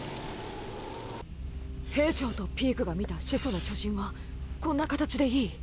兵長とピークが見た「始祖の巨人」はこんな形でいい？